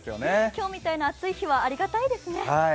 今日みたいな暑い日はありがたいですね。